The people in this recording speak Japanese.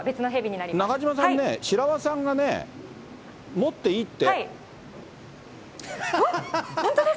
なかじまさんね、白輪さんが持っていいって。